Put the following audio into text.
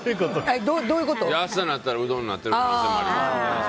明日になったらうどんになってる可能性もありますけど。